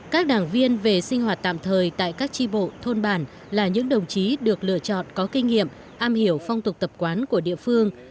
các đảng viên về sinh hoạt tạm thời tại các tri bộ thôn bản là những đồng chí được lựa chọn có kinh nghiệm am hiểu phong tục tập quán của địa phương